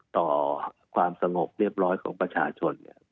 ต่อความสงบเรียบร้อยของประชาชน